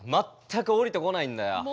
全く降りてこないんだよ。